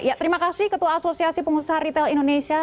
ya terima kasih ketua asosiasi pengusaha retail indonesia